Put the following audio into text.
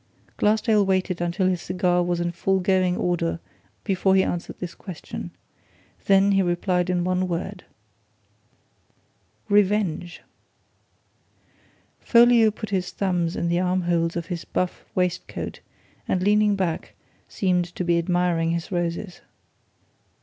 Glassdale waited until his cigar was in full going order before he answered this question. Then he replied in one word. "Revenge!" Folliot put his thumbs in the armholes of his buff waistcoat and leaning back, seemed to be admiring his roses.